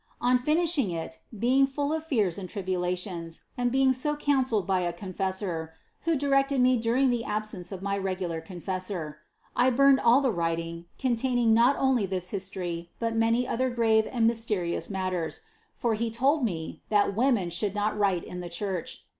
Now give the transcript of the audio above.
On finishing it, being full of fears and tribulations, and be ing so counseled by a confessor (who directed me dur ing the absence of my regular confessor), I burned all the writing containing not only this history, but many other grave and mysterious matters ; for he told me, that women should not write in the Church.